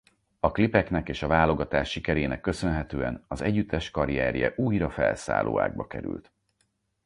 A klipeknek és a válogatás sikerének köszönhetően az együttes karrierje újra felszálló ágba került.